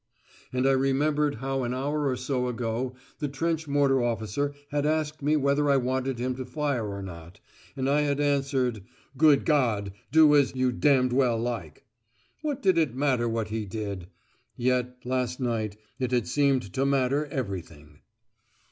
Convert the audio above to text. And I remembered how an hour or so ago the trench mortar officer had asked me whether I wanted him to fire or not, and I had answered, "Good God! Do as you d d well like." What did it matter what he did? Yet, last night it had seemed to matter everything.